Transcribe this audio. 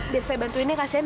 biar saya bantuin ya kasihan